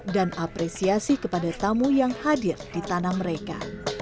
dan apresiasi kepada tamu yang hadir di tanah mereka